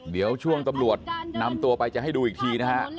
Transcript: เดี๋ยวช่วงตำรวจนำตัวไปจะให้ดูอีกทีนะฮะ